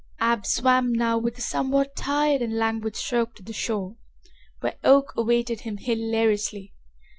Ab swam now with a somewhat tired and languid stroke to the shore, where Oak awaited him hilariously.